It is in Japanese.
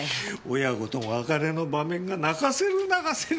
親子の別れの場面が泣かせる泣かせる！